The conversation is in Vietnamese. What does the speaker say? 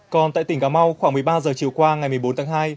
còn tại tỉnh cà mau khoảng một mươi ba h chiều qua ngày một mươi bốn tháng hai